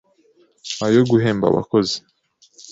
ayo guhemba abakozi